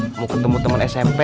mau ketemu temen smp